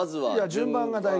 順番が大事。